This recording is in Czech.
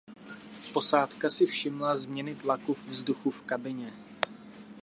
Posádka si všimla změny tlaku vzduchu v kabině.